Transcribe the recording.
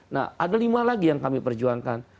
nah ada lima lagi yang kami perjuangkan